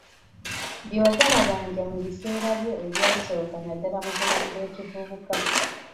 Byewagalabanja mu biseera byo ebyasooka naddala mu bulamu bw'ekivubuka.